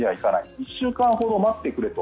１週間ほど待ってくれと。